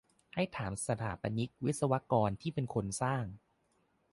ให้ถามสถาปนิก-วิศวกร ที่เป็นคนสร้าง